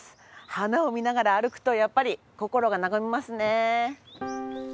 花を見ながら歩くとやっぱり心が和みますね。